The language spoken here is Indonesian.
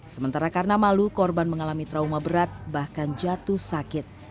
sementara karena malu korban mengalami trauma berat bahkan jatuh sakit